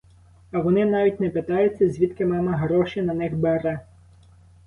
А вони навіть не питаються, звідки мама гроші на них бере.